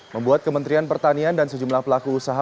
membuat kementerian pertanian dan sejumlah pelaku usaha